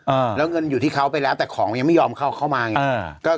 เออแล้วเงินอยู่ที่เขาไปแล้วแต่ของยังไม่ยอมเข้าเข้ามาไงอ่าก็